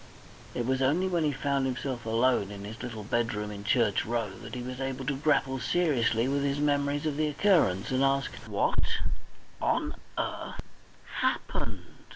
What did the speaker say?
It was only when he found himself alone in his little bedroom in Church Row that he was able to grapple seriously with his memories of the occurrence, and ask, "What on earth happened?"